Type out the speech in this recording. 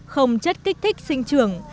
không chất kích thích sinh trường